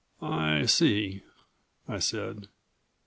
"I see," I said.